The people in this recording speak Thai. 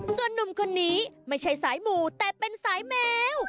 ส่วนนุ่มคนนี้ไม่ใช่สายหมู่แต่เป็นสายแมว